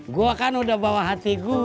gue kan udah bawa hati gue